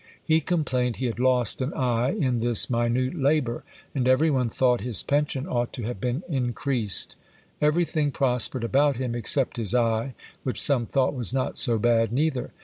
He complained he had lost an eye in this minute labour; and every one thought his pension ought to have been increased. Everything prospered about him, except his eye, which some thought was not so bad neither.